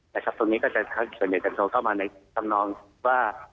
แล้วส่วนนี้ก็จะส่วนเดียวจะโทรเข้ามาในคำนองว่า